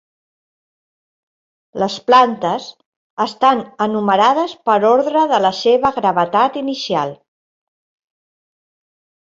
Les plantes estan enumerades per ordre de la seva gravetat inicial.